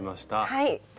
はい。